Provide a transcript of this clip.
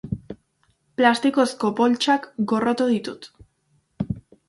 Plastikozko poltsak gorroto ditut.